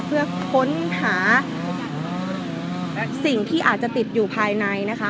เพื่อค้นหาสิ่งที่อาจจะติดอยู่ภายในนะคะ